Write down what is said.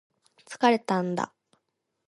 疲れたんだ